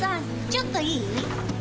ちょっといい？